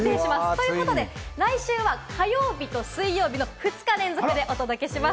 ということで来週は火曜日と水曜日の２日連続でお届けします。